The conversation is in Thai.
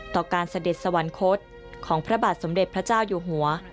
ต่อการเสด็จสวรรคตของพระบาทสมเด็จพระเจ้าอยู่หัว